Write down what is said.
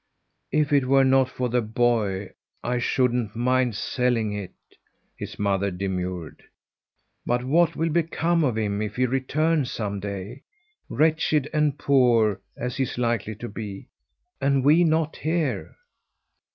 "If it were not for the boy, I shouldn't mind selling it," his mother demurred. "But what will become of him, if he returns some day, wretched and poor as he's likely to be and we not here?"